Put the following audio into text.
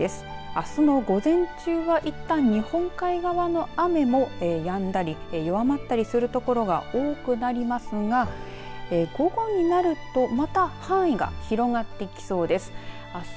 あすの午前中はいったん日本海側の雨もやんだり弱まったりする所が多くなりますが午後になるとまた範囲が広がってきそうです。